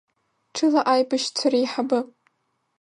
Ҽыла аибашьцәа реиҳабы.